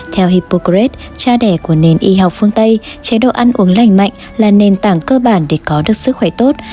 theo hpocret cha đẻ của nền y học phương tây chế độ ăn uống lành mạnh là nền tảng cơ bản để có được sức khỏe tốt